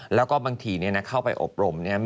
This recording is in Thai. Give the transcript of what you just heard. แล้วก็บางทีเข้าไปอบรม